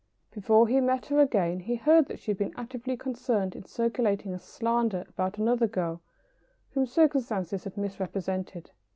Before he met her again he heard that she had been actively concerned in circulating a slander about another girl whom circumstances had misrepresented.